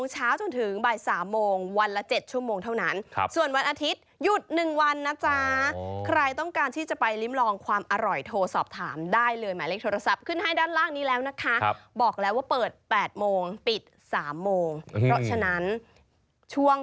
ใช่ค่ะแต่ละวันเจ้าของร้านบอกว่าจะใช้แป้งทำบะหมี่ทั้งหมด๗กิโลกรัมค่ะคุณ